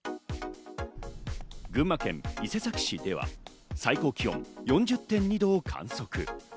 群馬県伊勢崎市では、最高気温４０．２度を観測。